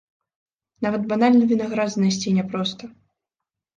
Нават банальны вінаград знайсці няпроста.